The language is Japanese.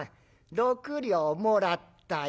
６両もらったよ。